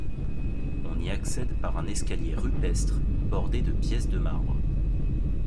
On y accède par un escalier rupestre, bordé de pièces de marbre.